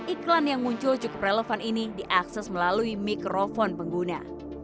iklan yang muncul cukup relevan ini diakses melalui mikrofon pengguna